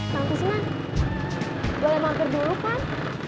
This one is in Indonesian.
tante sina boleh mampir dulu kan